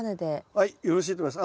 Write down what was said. はいよろしいと思います。